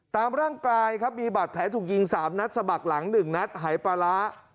ตามร่างกายครับมีบาดแผลถูกยิง๓นัดสะบักหลัง๑นัดหายปลาร้า